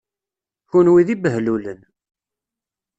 Kenwi d ibehlulen!